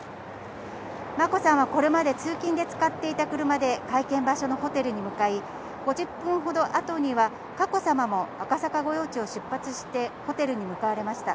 眞子さんはこれまで通勤で使っていた車で会見場所のホテルに向かい、５０分ほど後には佳子さまも赤坂御用地を出発してホテルに向かわれました。